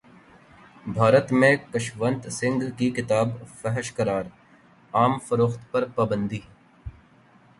بھارت میں خشونت سنگھ کی کتاب فحش قرار عام فروخت پر پابندی